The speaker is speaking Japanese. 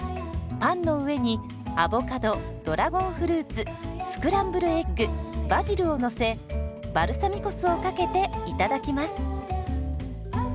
パンの上にアボカドドラゴンフルーツスクランブルエッグバジルをのせバルサミコ酢をかけていただきます。